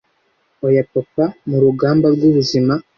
oya papa mu rugamba rw'ubuzima